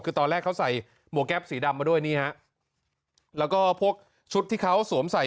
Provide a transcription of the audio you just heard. คือตอนแรกเขาใส่หมวกแก๊ปสีดำมาด้วยนี่ฮะแล้วก็พวกชุดที่เขาสวมใส่